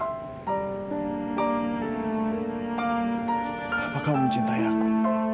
apa kamu mencintai aku